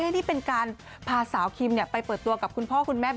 นี่เป็นการพาสาวคิมไปเปิดตัวกับคุณพ่อคุณแม่